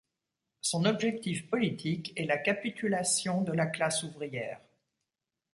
Son objectif politique est la capitulation de la classe ouvière.